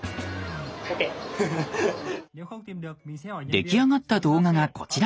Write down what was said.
出来上がった動画がこちら。